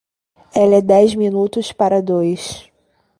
Ela é dez minutos para dois.